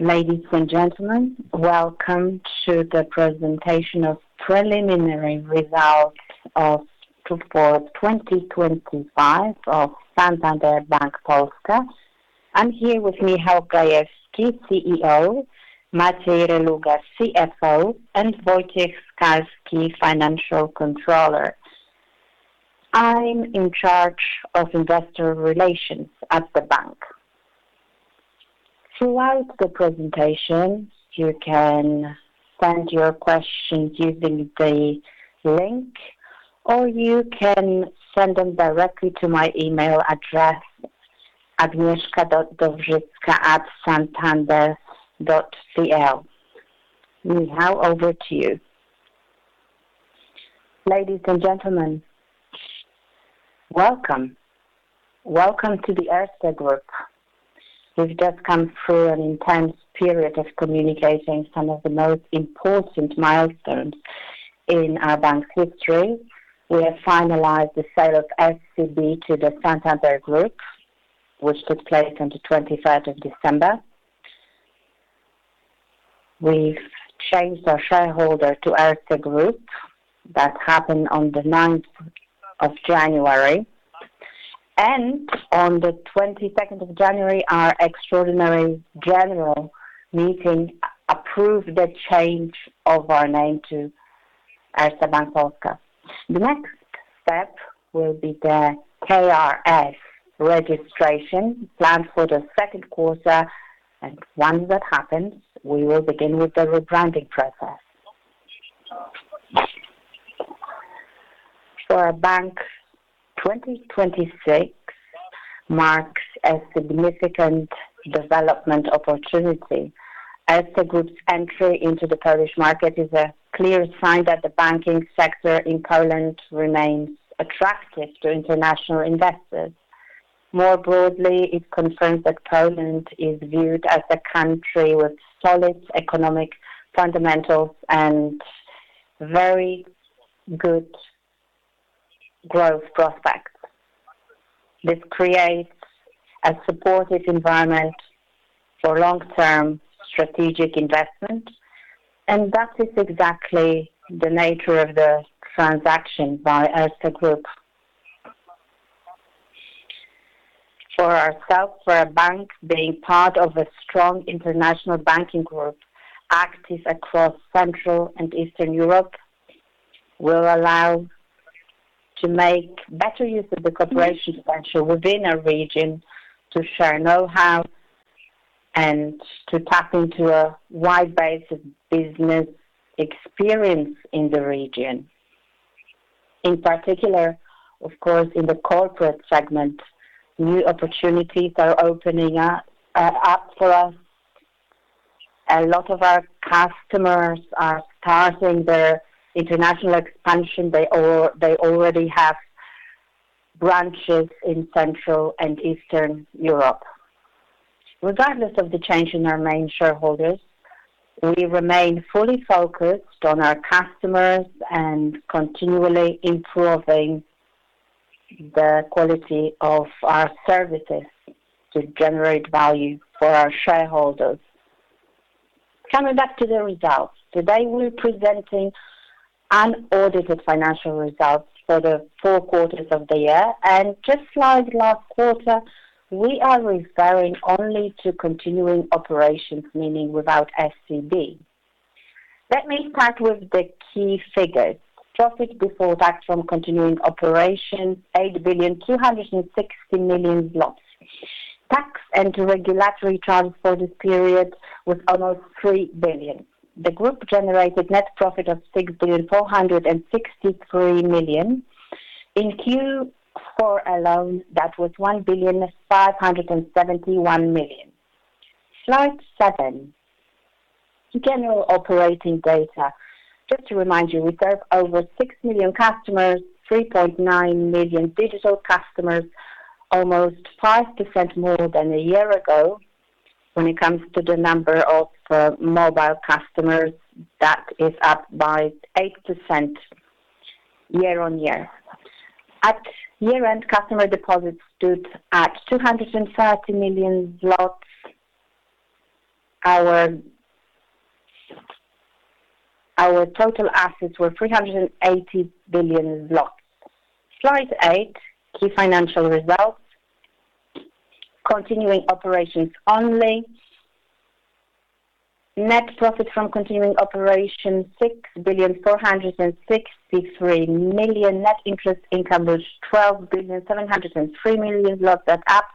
Ladies and gentlemen, welcome to the presentation of preliminary results for 2025 of Santander Bank Polska. I'm here with Michał Gajewski, CEO, Maciej Reluga, CFO and Wojciech Skalski, Financial Controller. I'm in charge of investor relations at the bank. Throughout the presentation you can send your questions using the link or you can send them directly to my email address, agnieszka.dowzycka@santander.pl. Now over to you. Ladies and gentlemen, welcome. Welcome to the Erste Group. We've just come through an intense period of communicating some of the most important milestones in our bank's history. We have finalized the sale of SCB to the Santander Group which took place on the 23rd of December. We've changed our shareholder to Erste Group. That happened on the 9th of January. On the 22nd of January our extraordinary general meeting approved the change of our name to Erste Bank Polska. The next step will be the KRS registration planned for the second quarter. Once that happens, we will begin with the rebranding process. For a bank, 2026 marks a significant development opportunity. Erste Group's entry into the Polish market is a clear sign that the banking sector in Poland remains attractive to international investors. More broadly, it confirms that Poland is viewed as a country with solid economic fundamentals and very good growth prospects. This creates a supportive environment for long-term strategic investment. That is exactly the nature of the transaction by Erste Group. For ourselves, for a bank, being part of a strong international banking group active across Central and Eastern Europe will allow to make better use of the cooperation potential within a region to share know-how and to tap into a wide base of business experience in the region. In particular, of course, in the corporate segment. New opportunities are opening up for us. A lot of our customers are starting their international expansion. They already have branches in Central and Eastern Europe. Regardless of the change in our main shareholders, we remain fully focused on our customers and continually improving the quality of our services to generate value for our shareholders. Coming back to the results, today we're presenting unaudited financial results for the four quarters of the year. Just like last quarter, we are referring only to continuing operations, meaning without SCB. Let me start with the key figures. Profit before tax from continuing operations 8.260 billion. Tax and regulatory transfers this period was almost 3 billion. The group generated net profit of 6.463 billion in Q4 alone. That was 1.571 billion. Slide seven: General operating data, just to remind you, we serve over 6 million customers, 3.9 million digital customers, almost 5% more than a year ago. When it comes to the number of mobile customers, that is up by 8% year-on-year. At year-end, customer deposits stood at 230 billion. Our total assets were 380 billion. Slide eight: Key financial results. Continuing operations only. Net profit from continuing operations: 6.463 billion. Net interest income was 12.703 billion. [Locked that up].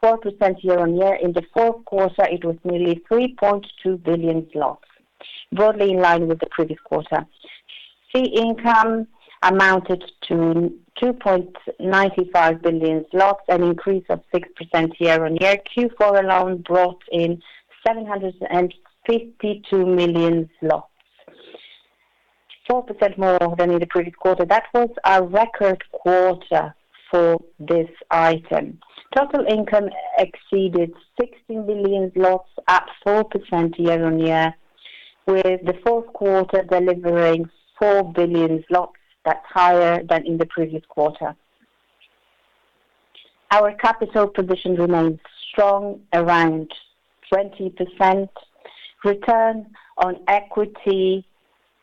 For the fourth quarter, it was nearly 3.2 billion, broadly in line with the previous quarter. Fee income amounted to 2.95 billion zlotys, an increase of 6% year-on-year. Q4 alone brought in 752 million zlotys, 4% more than in the previous quarter. That was a record quarter for this item. Total income exceeded 16 billion at 4% year-on-year. With the fourth quarter delivering 4 billion zlotys. That's higher than in the previous quarter. Our capital position remains strong around 20%. Return on Equity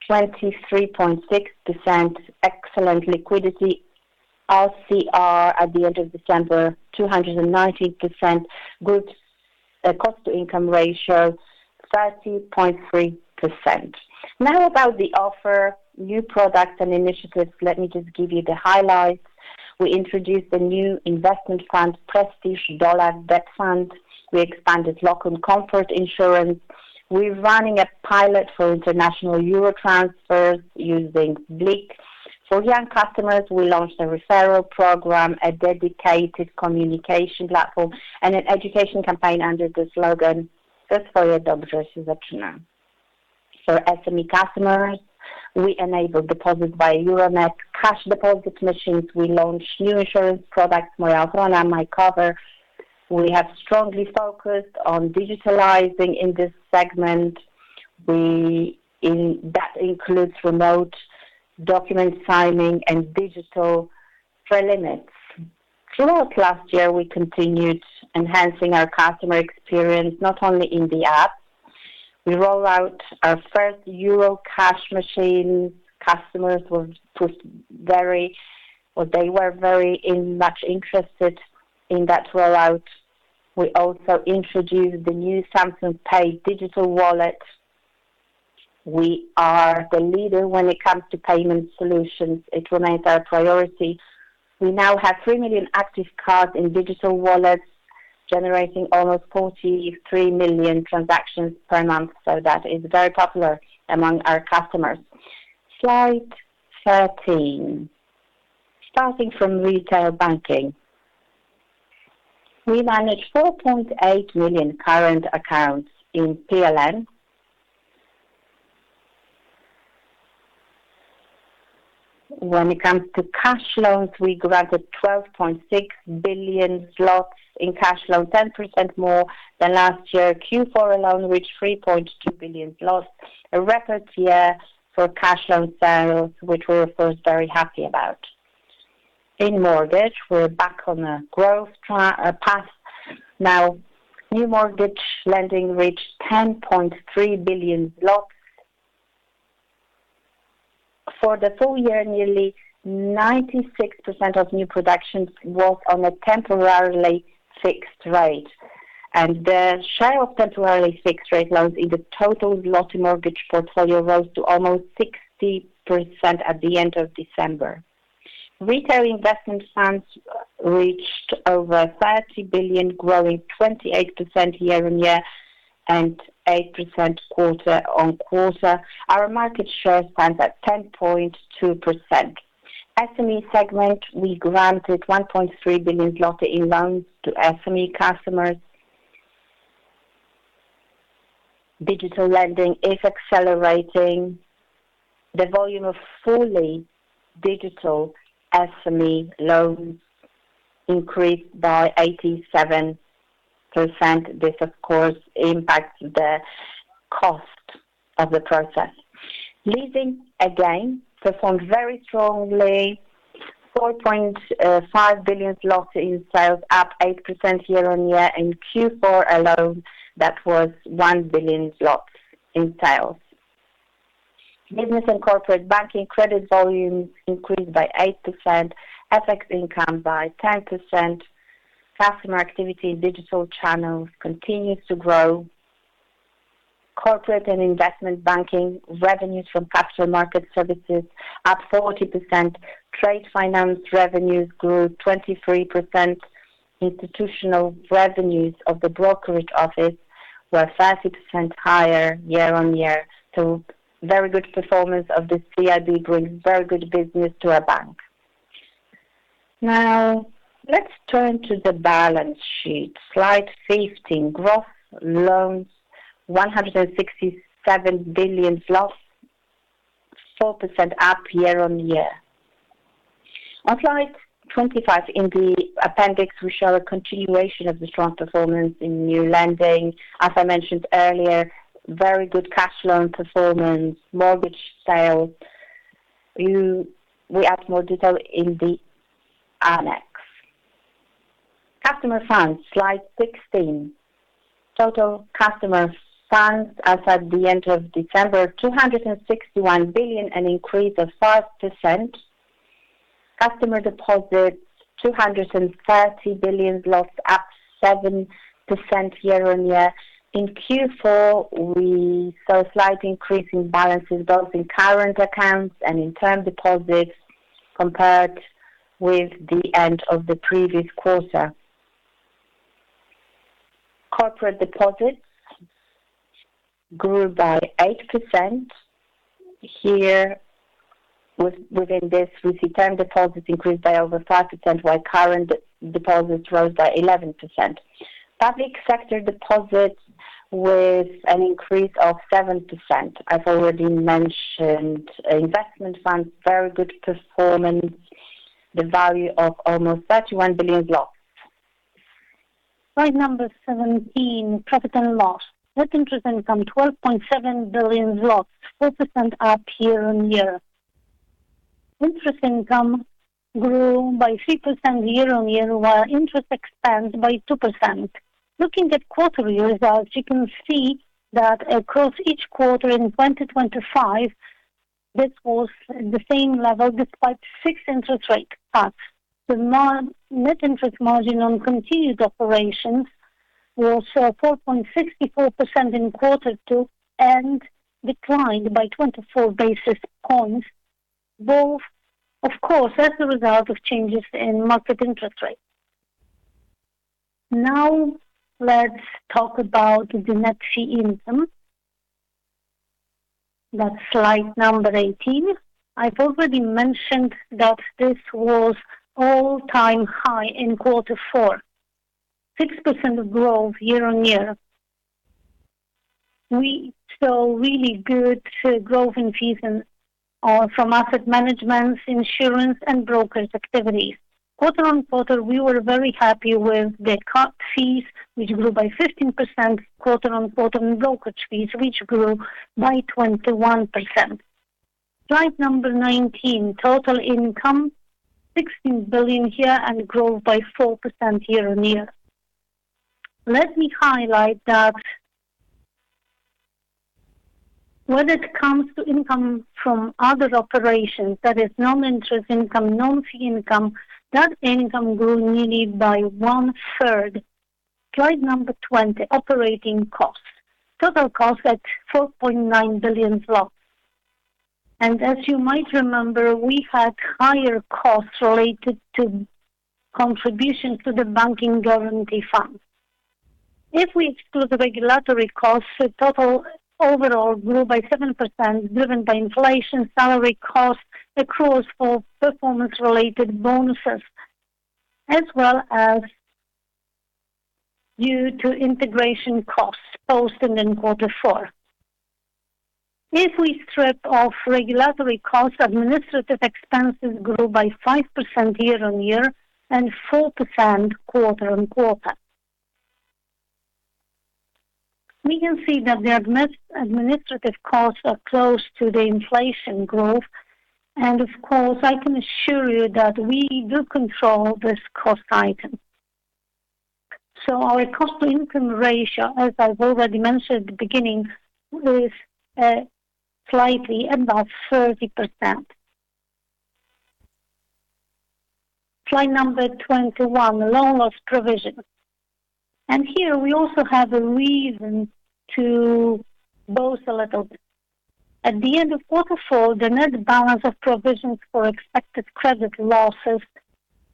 23.6%. Excellent liquidity LCR at the end of December 219%. Group cost-to-income ratio 30.3%. Now about the offer new products and initiatives. Let me just give you the highlights. We introduced the new investment fund Prestige Dollar Debt Fund. We expanded Locum Comfort insurance. We're running a pilot for international euro transfers using BLIK for young customers. We launched a referral program, a dedicated communication platform and an education campaign under the slogan for SME customers. We enable deposits via Euronet cash deposit machines. We launch new insurance products Moja Firma. We have strongly focused on digitalizing in this segment that includes remote document signing and digital [preliminary]. Throughout last year we continued enhancing our customer experience not only in the app. We rolled out our first euro cash machine. Customers were very much interested in that rollout. We also introduced the new Samsung Pay digital wallet. We are the leader when it comes to payment solutions. It remains our priority. We now have 3 million active cards in digital wallets, generating almost 43 million transactions per month. So that is very popular among our customers. Slide 13. Starting from retail banking. We manage 4.8 million current accounts in PLN. When it comes to cash loans, we granted 12.6 billion zlotys in cash loans, 10% more than last year. Q4 alone reached 3.2 billion zlotys, a record year for cash loan sales, which we're of course very happy about. In mortgage we're back on a growth path now. New mortgage lending reached 10.3 billion. For the full year, nearly 96% of new productions rose on a temporarily fixed rate and the share of temporarily fixed rate loans in the total mortgage portfolio rose to almost 60% at the end of December. Retail investment funds reached over 30 billion, growing 28% year-on-year and 8% quarter-on-quarter. Our market share stands at 10.2%. SME segment, we granted 1.3 billion zloty in loans to SME customers. Digital lending is accelerating. The volume of fully digital SME loans increased by 87%. This of course impacts the cost of the process. Leasing again performed very strongly. 4.5 billion zlotys in sales up 8% year-on-year. In Q4 alone that was 1 billion zlotys in sales. Business and corporate banking credit volumes increased by 8%. FX income by 10%. Customer activity in digital channels continues to grow. Corporate and investment banking revenues from capital market services up 40%. Trade finance revenues grew 23%. Institutional revenues of the brokerage office were 30% higher year-on-year. So very good performance of the CIB brings very good business to a bank. Now let's turn to the balance sheet. Slide 15. Gross loans PLN 167 billion, 4% up year-on-year. On Slide 25 in the appendix, we show a continuation of the strong performance in new lending. As I mentioned earlier, very good cash loan performance, mortgage sales. We add more detail in the annex. Customer funds. Slide 16. Total customer funds as at the end of December: 261 billion, an increase of 5%. Customer deposits 230 billion. Last quarter in Q4 we saw a slight increase in balances both in current accounts and in term deposits compared with the end of the previous quarter. Corporate deposits grew by 8%. Here within this we see term deposits increased by over 5% while current deposits rose by 11%. Public sector deposits with an increase of 7%. I've already mentioned investment funds. Very good performance. The value of almost 31 billion. Slide number 17. Profit and loss. Net interest income 12.7 billion zloty, 4% up year-on-year. Interest income grew by 3% year-on-year while interest expense grew by 2%. Looking at quarterly results, you can see that across each quarter in 2025 this was the same level. Despite six interest rate cuts. The net interest margin on continued operations was 4.64% in quarter two and declined by 24 basis points. Both of course as a result of changes in market interest rates. Now let's talk about the net fee income. That's slide number 18. I've already mentioned that this was all-time high in quarter four. 6% growth year-on-year. We saw really good growth in fees from asset management, insurance and brokerage activities. Quarter-on-quarter, we were very happy with the net fees which grew by 15% quarter-on-quarter on brokerage fees which grew by 21%. Slide number 19, total income 16 billion here and growth by 4% year-on-year. Let me highlight that when it comes to income from other operations, that is non-interest income, non-fee income, that income grew nearly by one third. Slide number 20, operating cost. Total cost at 4.9 billion. And as you might remember, we had higher costs related to contribution to the Banking Guarantee Fund. If we exclude the regulatory costs, the total overall grew by 7% driven by inflation, salary cost accruals for performance-related bonuses as well as due to integration costs. In Q3 and in Q4, if we strip off regulatory costs, administrative expenses grew by 5% year-on-year and 4% quarter-on-quarter. We can see that the administrative costs are close to the inflation growth. Of course I can assure you that we do control this cost item. Our cost to income ratio, as I've already mentioned at the beginning, is slightly above 30%. Slide number 21, loan loss provision. Here we also have a reason to boast a little bit. At the end of quarter four, the net balance of provisions for expected credit losses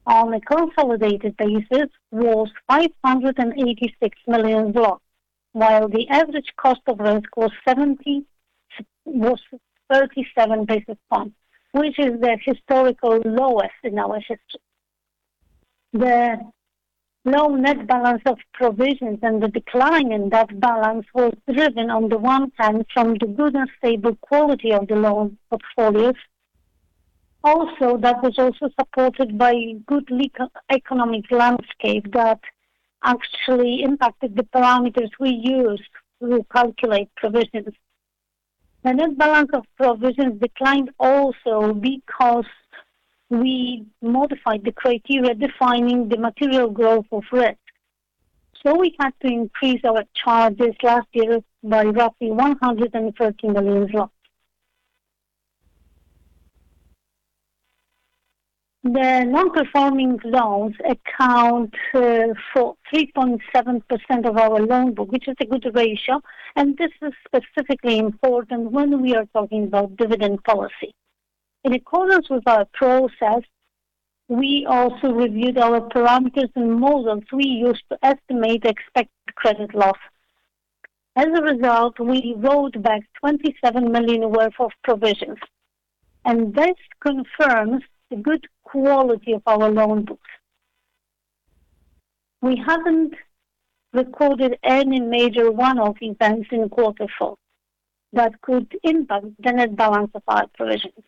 on a consolidated basis was $586 million while the average cost of risk was 37 basis points, which is the historical lowest in our history. The loan net balance of provisions and the decline in that balance was driven on the one hand from the good and stable quality of the loan portfolios. That was also supported by good economic landscape that actually impacted the parameters we used recalculate provisions. The net balance of provisions declined also because we modified the criteria defining the material growth of risk. So we had to increase our charges last year by roughly PLN 130 million. The non-performing loans account for 3.7% of our loan book, which is a good ratio. And this is specifically important when we are talking about dividend policy. In accordance with our process, we also reviewed our parameters and models we used to estimate expected credit loss. As a result, we wrote back 27 million worth of provisions and this confirms the good quality of our loan books. We haven't recorded any major one-off events in quarter four that could impact the net balance of our provisions.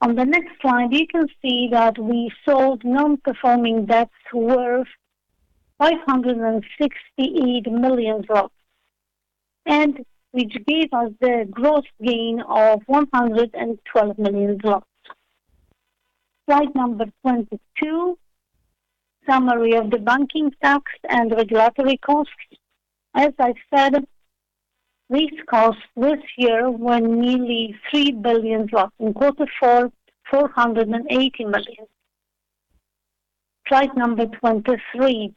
On the next slide you can see that we sold non-performing debts worth PLN 568 million and which gave us the gross gain of PLN 112 million. Slide number 22, summary of the banking tax and regulatory costs. As I said, these costs this year were nearly 3 billion lost in quarter four. 480 million. Slide number 23,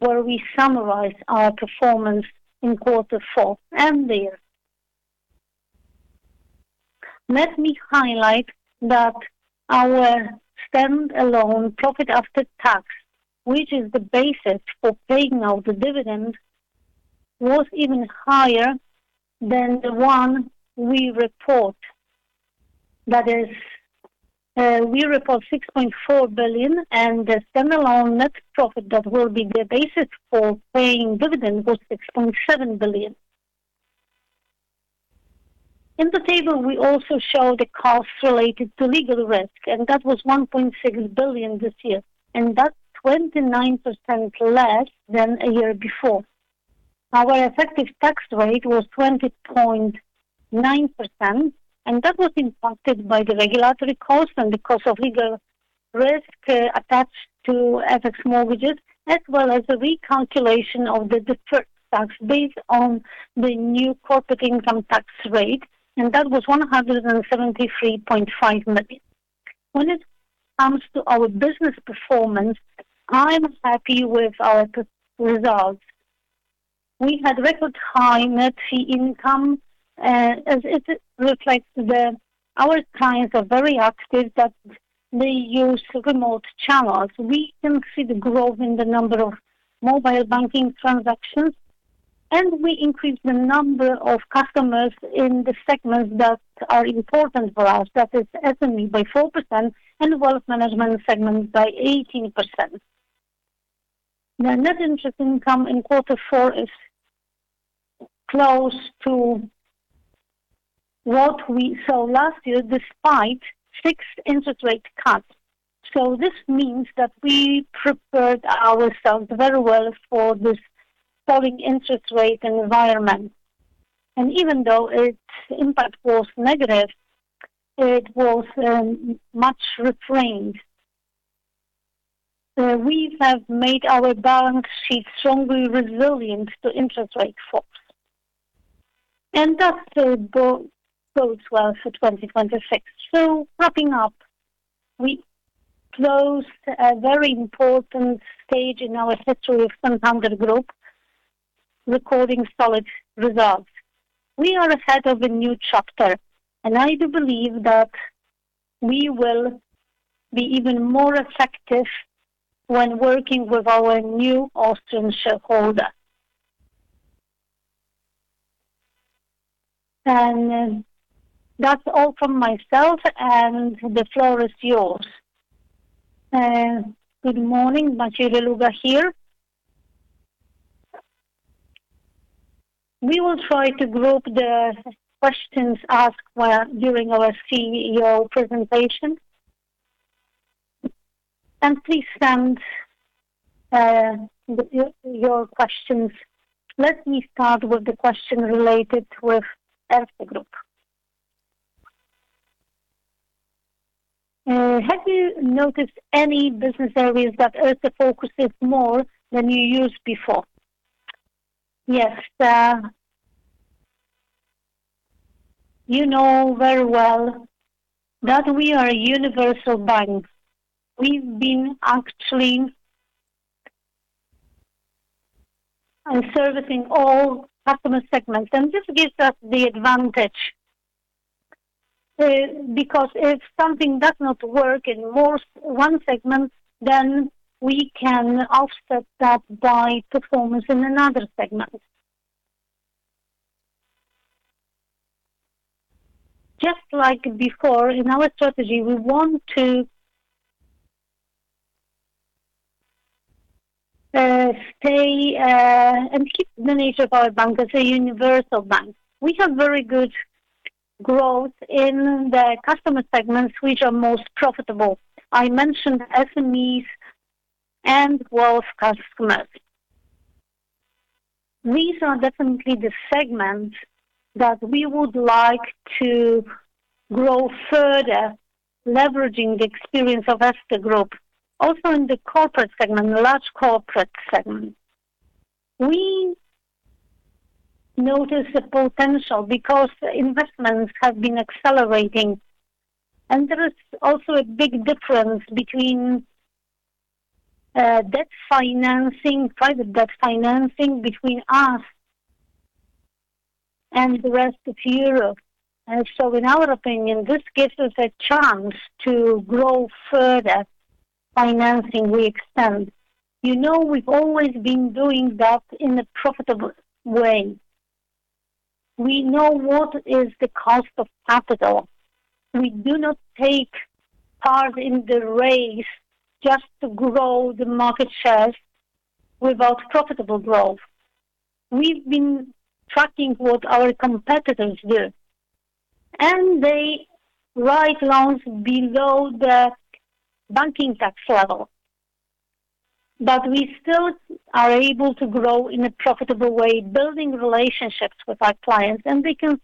where we summarize our performance in quarter four. And there let me highlight that our standalone profit after tax, which is the basis for paying out the dividend, was even higher than the one we report. That is, we report 6.4 billion. And the standalone net profit that will be the basis for paying dividend was 6.7 billion. In the table, we also show the costs related to legal risk and that was 1.6 billion this year. And that's 29% less than a year before. Our effective tax rate was 20.9%. That was impacted by the regulatory cost and the cost of legal risk attached to FX mortgages, as well as the recalculation of the deferred tax based on the new corporate income tax rate. That was 173.5 million. When it comes to our business performance, I'm happy with our results. We had record high net fee income as it reflects that our clients are very active, that they use remote channels. We can see the growth in the number of mobile banking transactions and we increased the number of customers in the segments that are important for us, that is SME by 4% and wealth management segments by 18%. The net interest income in quarter four is close to what we saw last year despite fixed interest rate cuts. This means that we prepared ourselves very well for this falling interest rate environment. And even though its impact was negative, it was much restrained. We have made our balance sheet strongly resilient to interest rate flows and that bodes well for 2026. So wrapping up, we closed a very important stage in our history of Santander Group recording solid results. We are ahead of a new chapter and I do believe that we will be even more effective when working with our new Austrian shareholder. And that's all from myself and the floor is yours. Good morning. Maciej Reluga here. We will try to group the questions asked during our CEO presentation. And please state your questions. Let me start with the question related with Erste Group. Have you noticed any business areas that Erste focuses more than you used before? Yes. You know very well that we are a universal bank. We've been actually. Servicing all customer segments and this gives us the advantage because if something does not work in one segment, then we can offset that by performance in another segment. Just like before in our strategy, we want to stay and keep the nature of our bank. As a universal bank, we have very good growth in the customer segments, which are most profitable. I mentioned SMEs and wealth customers. These are definitely the segments that we would like to grow, further leveraging the experience of Erste Group. Also in the corporate segment, large corporate segment, we notice the potential because investments have been accelerating. And there is also a big difference between debt financing, private debt financing, between us and the rest of Europe. And so in our opinion, this gives us a chance to grow further financing. We extend. You know, we've always been doing that in a profitable way. We know what is the cost of capital. We do not take part in the race just to grow the market shares without profitable growth. We've been tracking what our competitors do and they write loans below the banking tax level. But we still are able to grow in a profitable way, building relationships with our clients. And they can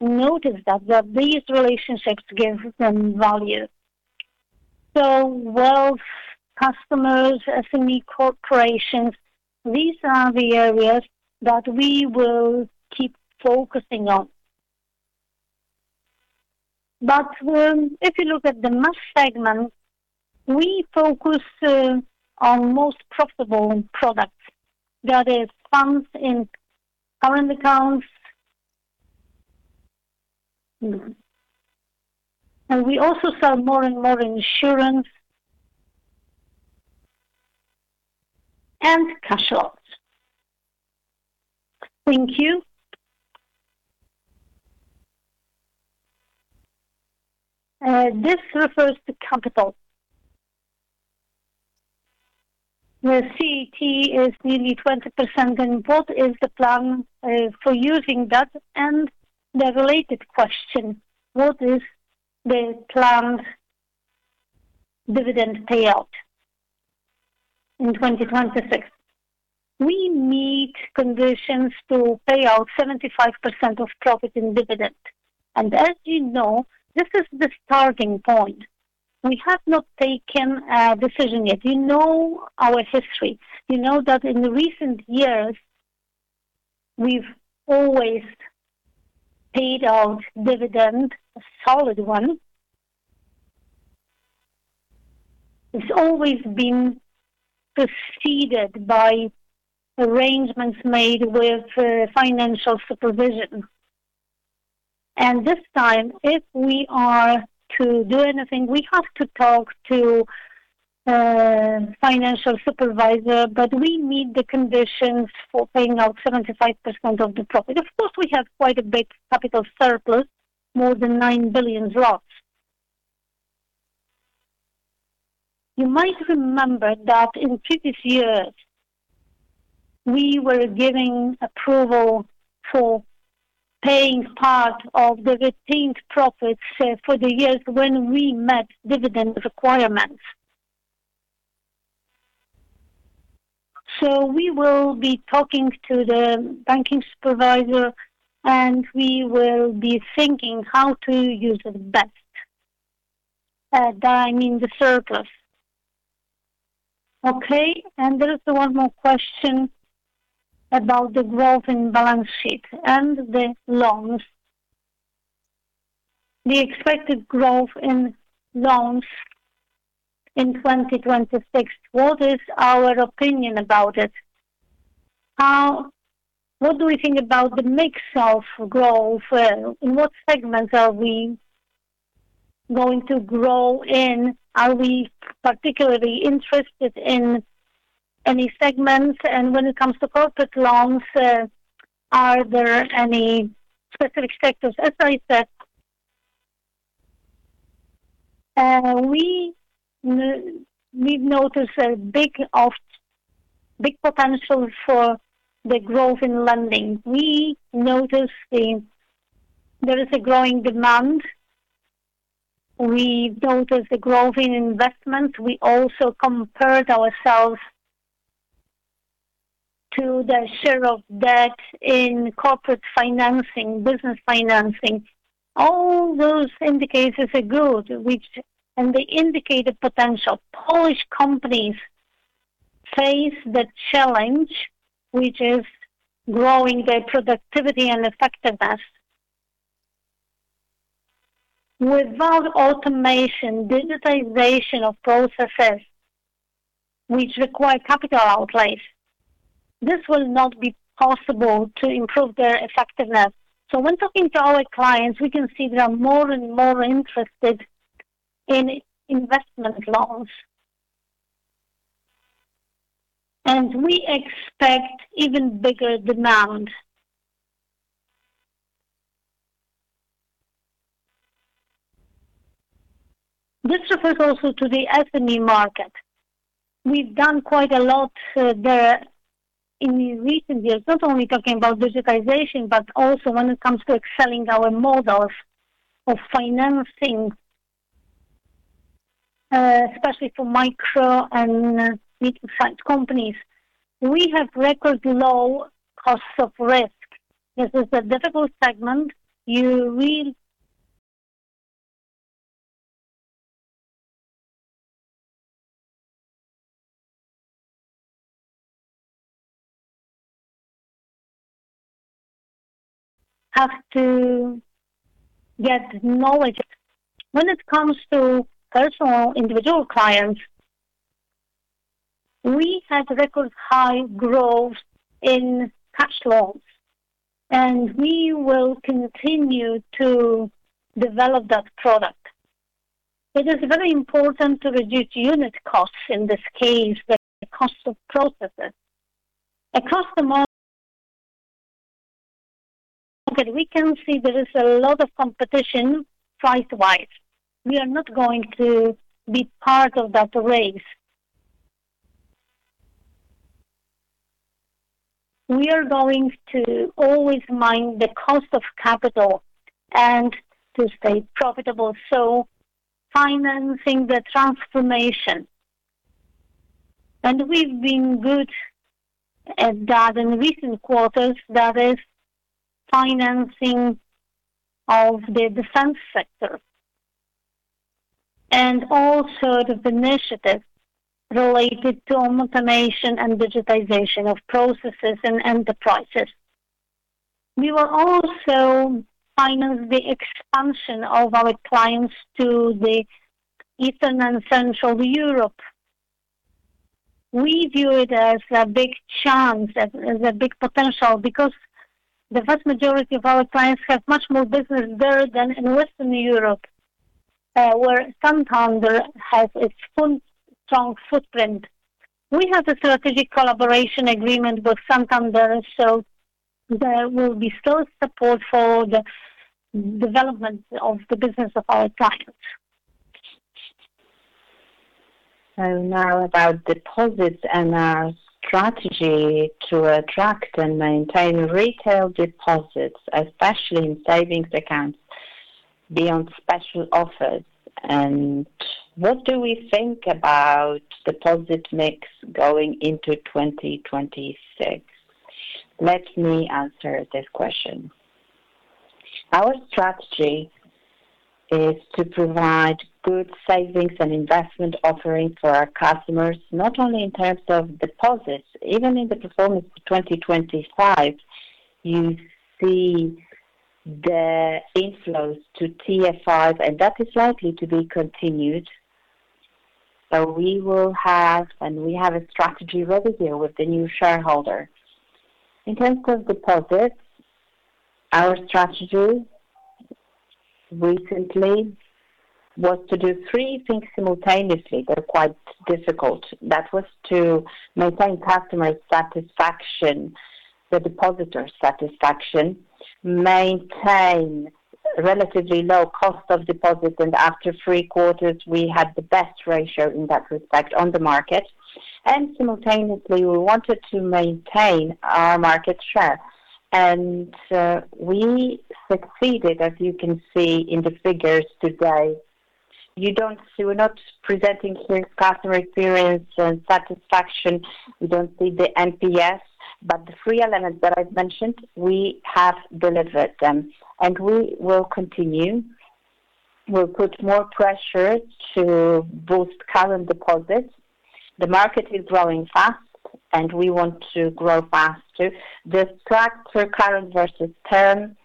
notice that these relationships give them value. So wealth customers, SME corporations, these are the areas that we will keep focusing on. But if you look at the mass segment, we focus on most profitable products. There are the funds in current accounts. And we also sell more and more insurance and cash loans. Thank you. This refers to capital. The CET is nearly 20%. And what is the plan for using that? The related question, what is the planned dividend payout in 2026? We meet conditions to pay out 75% of profit in dividend. And as you know, this is the starting point. We have not taken a decision yet. You know our history. You know that in the recent years, we've always paid out dividend, a solid one. It's always been preceded by arrangements made with financial supervision. And this time, if we are to do anything, we have to talk to financial supervisor. But we meet the conditions for paying out 75% of the profit. Of course, we have quite a big capital surplus, more than 9 billion. You might remember that in previous years we were giving approval for paying part of the retained profits for the years when we met dividend requirements. So we will be talking to the banking supervisor and we will be thinking how to use it best. Dividend in the surplus. Okay, and there is one more question about the growth in balance sheet and the loans. The expected growth in loans in 2026. What is our opinion about it? What do we think about the mix of growth in what segments are we going to grow in? Are we particularly interested in any segments? And when it comes to corporate loans, are there any specific sectors? As I said, we've noticed a big potential for the growth in lending. We noticed that there is a growing demand. We noticed the growth in investment, we also compared ourselves to the share of debt in corporate financing, business financing. All those indicators are good and they indicated potential Polish companies face the challenge which is growing their productivity and effectiveness. Without automation digitization of processes which require capital outlays, this will not be possible to improve their effectiveness. So when talking to our clients, we can see they are more and more interested in investment loans and we expect even bigger demand. This refers also to the SME market. We've done quite a lot there in recent years, not only talking about digitization, but also when it comes to excelling our models of financing, especially for micro and middle sized companies. We have record low cost of risk. This is a difficult segment. You'll have to get knowledge when it comes to personal individual clients. We had record high growth in cash loans and we will continue to develop that product. It is very important to reduce unit costs, in this case the cost of processes across the market. We can see there is a lot of competition price-wise. We are not going to be part of that race. We are going to always mind the cost of capital and to stay profitable. So financing the transformation, and we've been good at that in recent quarters, that is financing of the defense sector and all sorts of initiatives related to automation and digitization of processes and enterprises. We will also finance the expansion of our clients to the Eastern and Central Europe. We view it as a big chance, as a big potential, because the vast majority of our clients have much more business there than in Western Europe, where Santander has its full strong footprint. We have a strategic collaboration agreement with Santander, so there will be strong support for the development of the business of our clients. Now, about deposits and our strategy to attract and maintain retail deposits, especially in savings accounts, beyond special offers and what do we think about deposit mix going into 2026? Let me answer this question. Our strategy is to provide good savings and investment offerings for our customers, not only in terms of deposits. Even in the performance of 2025, you see the inflows to TFI and that is likely to be continued. So we will have and we have a strategy ready with the new shareholder. In terms of deposits, our strategy recently was to do three things simultaneously that are quite difficult. That was to maintain customer satisfaction, the depositor satisfaction, maintain relatively low cost of deposit. After three quarters we had the best ratio in that respect on the market. Simultaneously we wanted to maintain our market share and we succeeded. As you can see in the figures today, you don't see we're not presenting here customer experience and satisfaction. We don't see the NPS, but the three elements that I've mentioned, we have delivered them and we will continue. We'll put more pressure to boost current deposits. The market is growing fast and we want to grow faster. The structure current versus term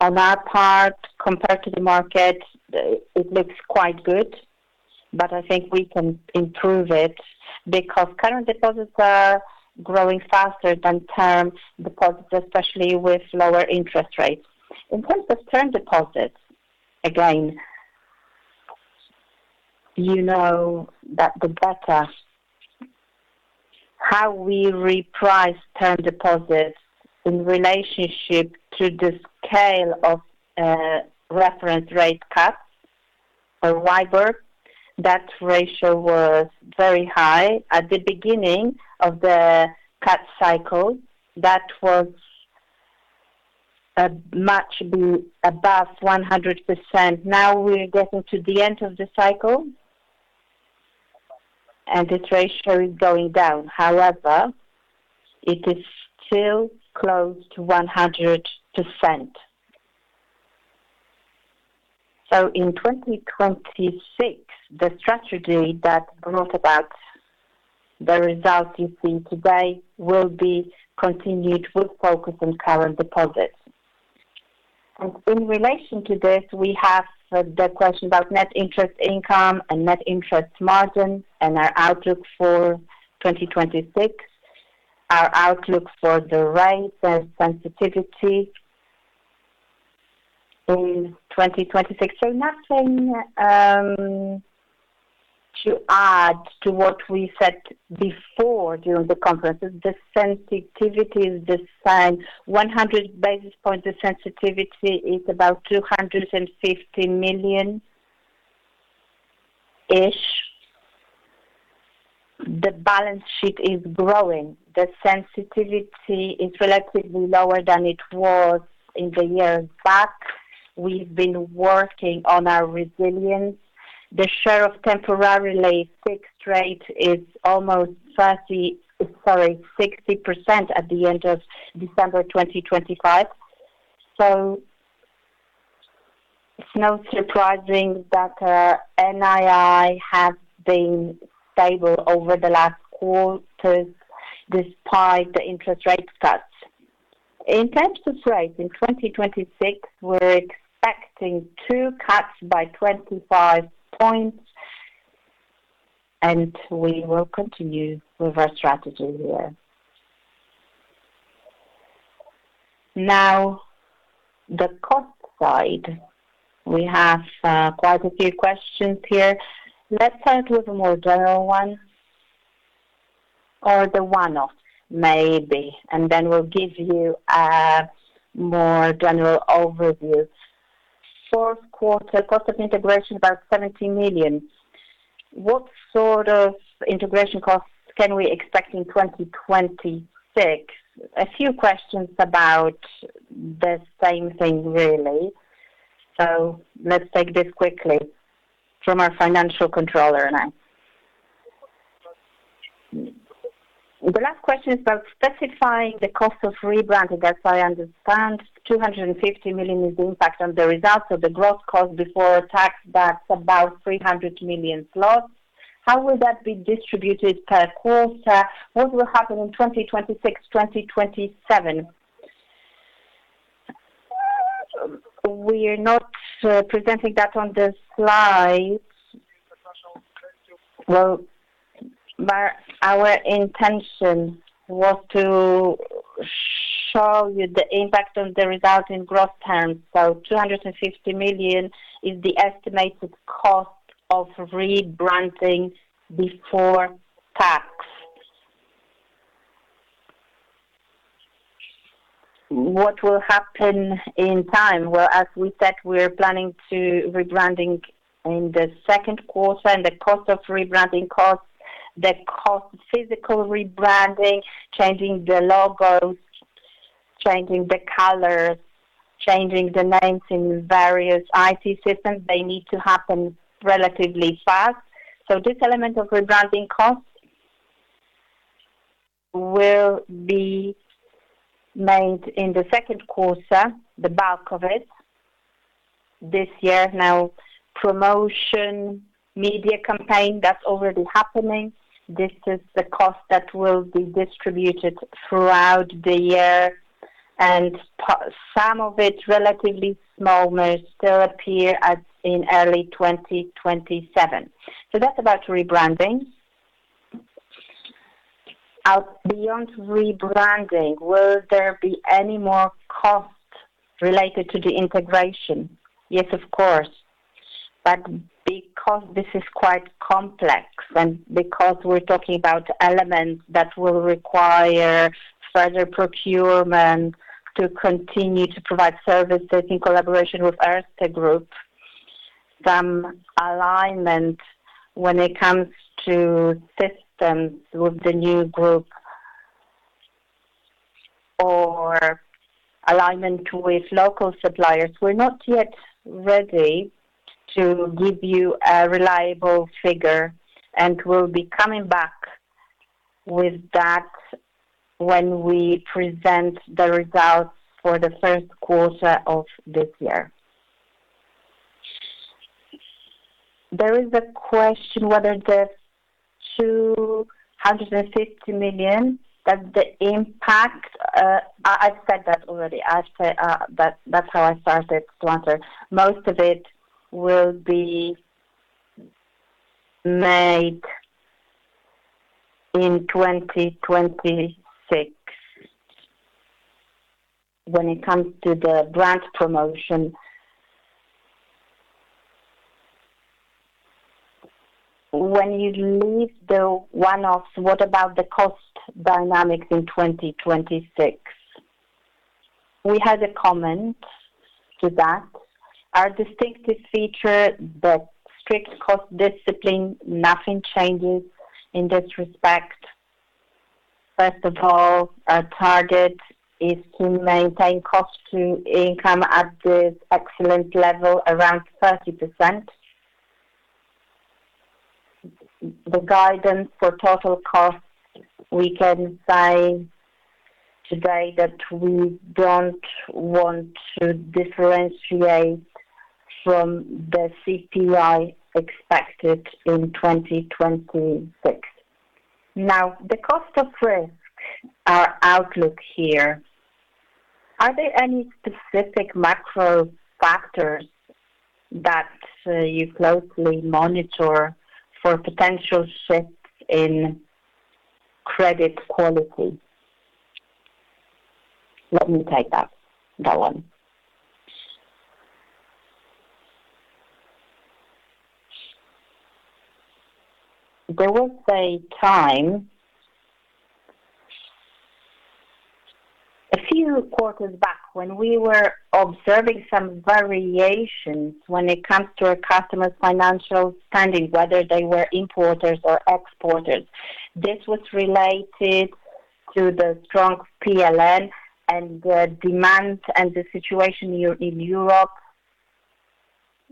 on our part compared to the market it looks quite good. But I think we can improve it because current deposits are growing faster than term deposits especially with lower interest rates. In terms of term deposits, again, you know that the better how we reprice term deposits in relationship to the scale of reference rate cuts. That ratio was very high at the beginning of the cut cycle. That was much above 100%. Now we're getting to the end of the cycle and this ratio is going down. However, it is still close to 100%. In 2026 the strategy that brought about the results you see today will be continued with focus on current deposits. In relation to this, we have the question about net interest income and net interest margin and our outlook for 2026. Our outlook for the rate and sensitivity in 2026. Nothing to add to what we said before during the conferences. The sensitivity is the same. 100 basis points of sensitivity is about 250 million-ish. The balance sheet is growing. The sensitivity is relatively lower than it was in the year back. We've been working on our resilience. The share of temporarily fixed rate is almost 60% at the end of December 2025. So, it's no surprise that NII has been stable over the last quarter despite the interest rate cuts in central bank rates in 2026. We're expecting two cuts by 25 points. We will continue with our strategy here. Now the cost side. We have quite a few questions here. Let's start with a more general one or the one-off maybe and then we'll give you more general overview. Fourth quarter cost of integration about 70 million. What sort of integration costs can we expect in 2026? A few questions about the same thing really. So let's take this quickly from our Financial Controller, now. The last question is about specifying the cost of rebranding. As I understand, 250 million is the impact on the results of the gross cost before tax. That's about 300 million zlotys. How will that be distributed per quarter? What will happen in 2026, 2027? We're not presenting that on the slides. Well, our intention was to show you the impact on the result in gross terms. So 250 million is the estimated cost of rebranding before tax. What will happen in time? Well, as we said, we're planning to rebranding in the second quarter and the cost of rebranding costs, the cost, physical rebranding, changing the logos, changing the colors, changing the names in various IT systems, they need to happen relatively fast. So this element of rebranding costs will be made in the second quarter. The bulk of it this year. Now, promotion, media campaign, that's already happening. This is the cost that will be distributed throughout the year and some of it, relatively small, may still appear in early 2027. So that's about rebranding. Beyond rebranding, will there be any more cost cost related to the integration? Yes, of course. But because this is quite complex and because we're talking about elements that will require further procurement to continue to provide services in collaboration with Erste Group, some alignment when it comes to systems with the new group or alignment with local suppliers, we're not yet ready to give you a reliable figure and we'll be coming back with that when we present the results for the first quarter of this year. There is a question whether the 250 million that the impact. I said that already. That's how I started to answer. Most of it will be made in 2026. When it comes to the brand promotion, when you leave the one offs, what about the cost dynamics in 2026? We had a comment to that. Our distinctive feature, the strict cost discipline, nothing changes in this respect. First of all, our target is to maintain cost to income at this expense level around 30%. The guidance for total costs. We can say today that we don't want to differentiate from the CPI expected in 2026. Now the cost of risk, our outlook here. Are there any specific macro factors that you closely monitor for potential shifts in credit quality? Let me take that one. There was a time. A few quarters back when we were observing some variations when it comes to our customers' financial standing, whether they were importers or exporters. This was related to the strong PLN and demand and the situation in Europe.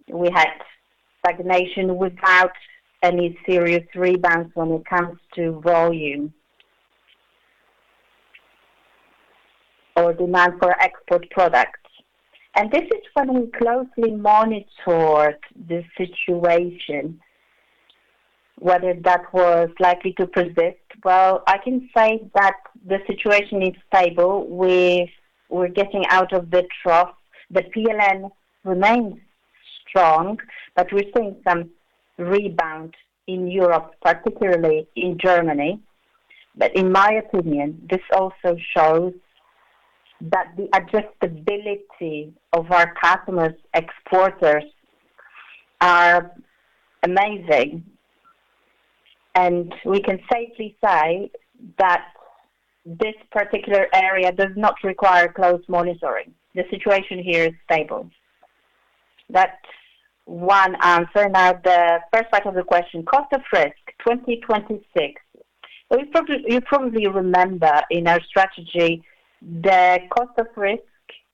We had stagnation without any serious rebounds when it comes to volume or demand for export products. This is when we closely monitor the situation, whether that was likely to persist. Well, I can say that the situation is stable. We're getting out of the trough. The PLN remains strong, but we're seeing some rebound in Europe, particularly in Germany. But in my opinion this also shows that the adaptability of our customers, exporters, is amazing. We can safely say that this particular area does not require close monitoring. The situation here is stable. That's one answer now the first part of the question, cost of risk 2026. You probably remember in our strategy the cost of risk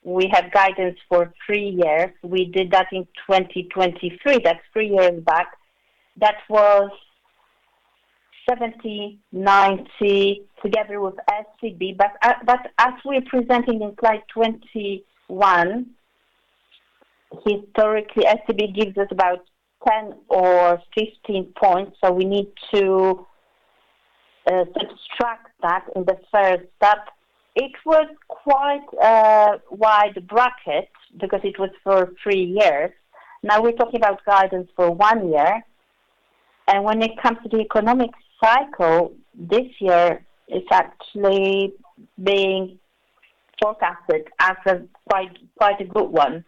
we have guidance for three years. We did that in 2023, that's three years back. That was 1790 together with SCB. But as we're presenting in slide 21, historically SCB gives us about 10 or 15 points. So we need to subtract that. In the first step it was quite wide bracket because it was for three years. Now we're talking about guidance for one year. And when it comes to the economic cycle, this year is actually being forecasted as quite a good one.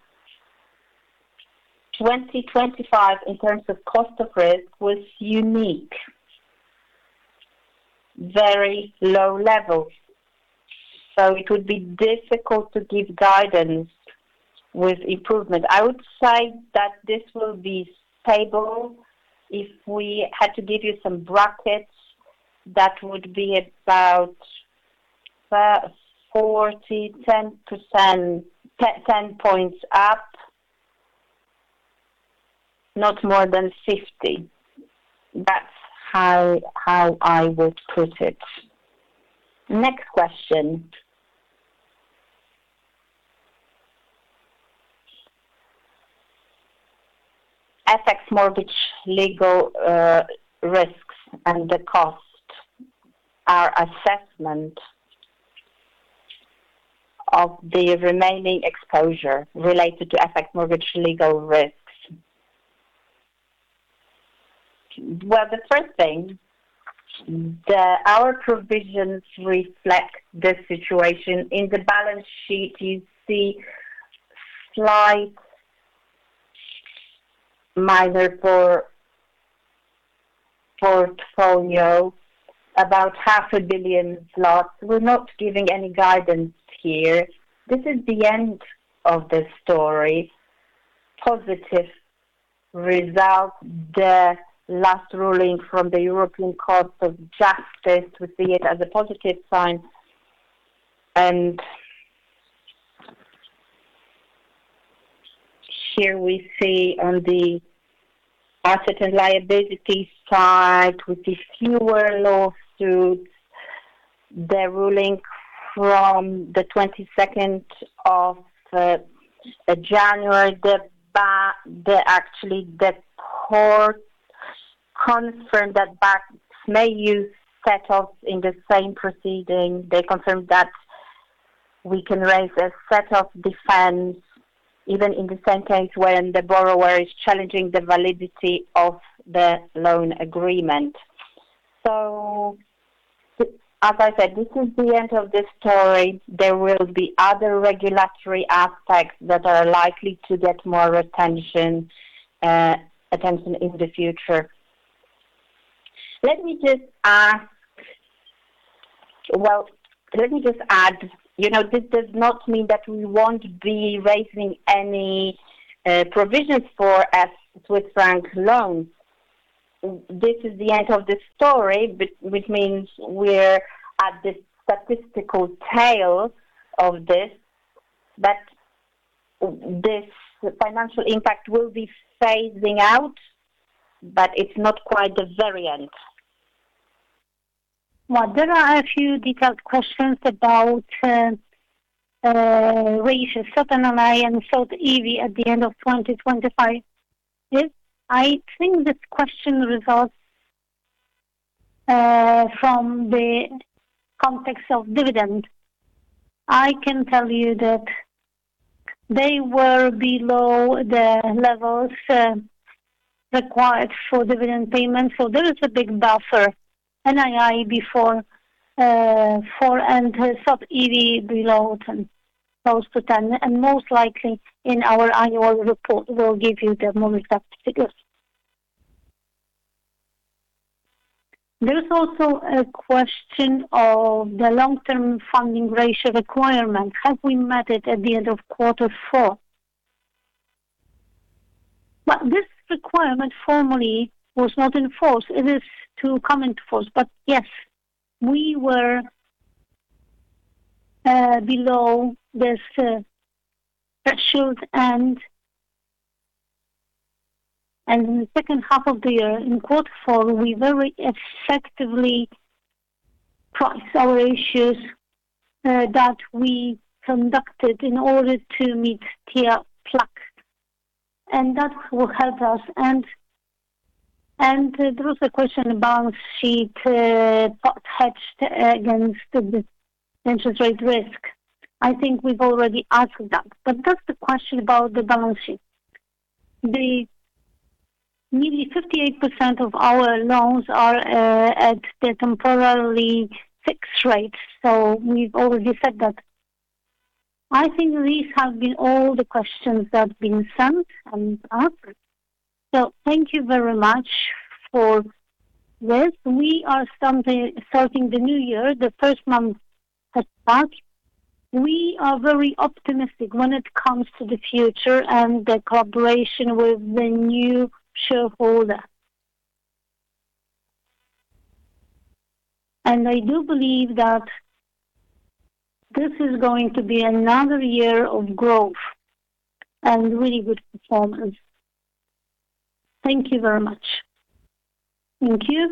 2025 in terms of cost of risk was unique, very low level. So it would be difficult to give guidance with improvement. I would say that this will be stable. If we had to give you some brackets that would be about 40, 10 points up, not more than 50. That's how I would put it. Next question, FX mortgage legal risks and the cost are assessment of the remaining exposure related to FX mortgage legal risks. Well, the first thing, our provision is in the balance sheet you see slight minor portfolio about 500 million zlotys. We're not giving any guidance here. This is the end of the story. Positive result. The last ruling from the European Court of Justice we see it as a positive sign and. Here we see on the asset and liabilities side with the fewer lawsuits the ruling from 22 January actually the court confirmed that bank may use set off in the same proceeding. They confirmed that we can raise a set of defense even in the same case when the borrower is challenging the validity of the loan agreement as I said, this is the end of the story. There will be other regulatory aspects that are likely to get more attention in the future. Let me just ask. Well, let me just add, you know this does not mean that we won't be raising any provisions for Swiss Franc Loan. This is the end of the story. Which means we're at the statistical tail of this this financial impact will be phasing out. But it's not quite the very end. Well, there are a few detailed questions about [Ratio Soap, NLA, and Sodev] at the end of 2025. I think this question results from the context of dividend. I can tell you that they were below the levels required for dividend payments. There is a big buffer, [NIIEB 4 and sub-EV] below 10, close to 10, and most likely in our annual report we'll give you the moving figures. There is also a question of the long-term funding ratio requirement, have we met it at the end of quarter four? Well, this requirement formally was not enforced. It is to come into force, but yes, we were below this threshold, and in the second half of the year in quarter four we very effectively price our issues that we conducted in order to meet TLAC, and that will help us. And there was a question balance sheet hedged against the interest rate risk. I think we've already answered that, but that's the question about the balance sheet. Nearly 58% of our loans are at the temporarily fixed rate, so we've already said that. I think these have been all the questions that have been sent and answered, so thank you very much for this. We are starting the new year, the first month. We are very optimistic when it comes to the future and the collaboration with the new shareholder, and I do believe that this is going to be another year of growth and really good performance. Thank you very much.